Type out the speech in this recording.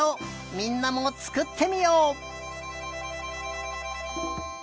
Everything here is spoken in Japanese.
みんなもつくってみよう！